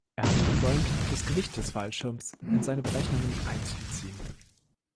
Er hatte versäumt, das Gewicht des Fallschirms in seine Berechnungen einzubeziehen.